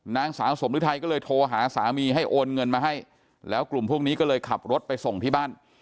นางสาวสมฤทัยก็เลยโทรหาสามีให้โอนเงินมาให้แล้วกลุ่มพวกนี้ก็เลยขับรถไปส่งที่บ้าน